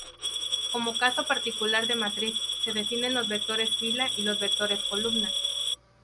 Como caso particular de matriz, se definen los vectores fila y los vectores columna.